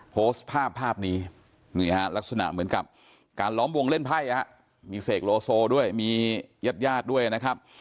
โพสต์ภาพภาพนี้นี่ฮะลักษณะเหมือนกับการล้อมวงเล่นไพ่มีเสกโลโซด้วยมีญาติญาติด้วยนะครับ